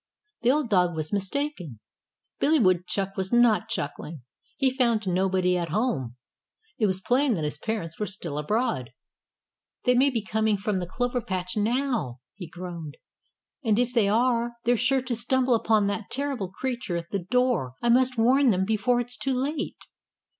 The old dog was mistaken. Billy Woodchuck was not chuckling. He found nobody at home. It was plain that his parents were still abroad. "They may be coming from the clover patch now," he groaned. And if they are, they're sure to stumble upon that terrible creature at the door. I must warn them before it's too late."